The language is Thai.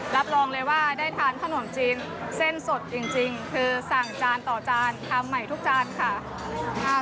รับรองเลยว่าได้ทานขนมจีนเส้นสดจริงคือสั่งจานต่อจานทำใหม่ทุกจานค่ะ